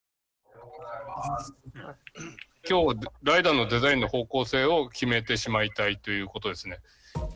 今日ライダーのデザインの方向性を決めてしまいたいということですね。